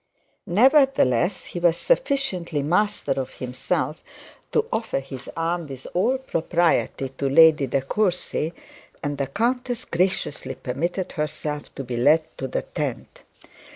Nevertheless he was sufficiently master of himself to offer his arm with all propriety to Lady De Courcy, and the countess graciously permitted herself to be led to the tent.